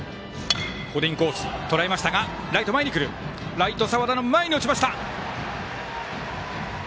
ライト、澤田の前に落ちました。